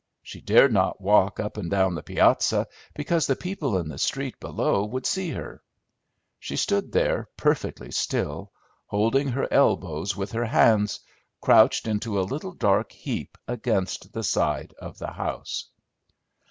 She dared not walk up and down the piazza, because the people in the street below would see her; she stood there perfectly still, holding her elbows with her hands, crouched into a little dark heap against the side of the house.